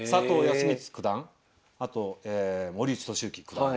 康光九段あと森内俊之九段。